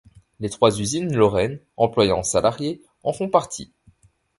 Les trois usines lorraines, employant salariés, en font partie.